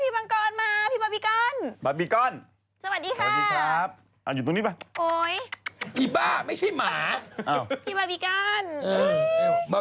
ว้าวพี่บังกอนมาพี่บาบิกอน